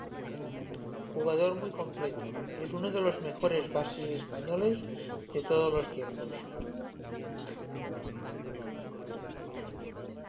Jugador muy completo, es uno de los mejores bases españoles de todos los tiempos.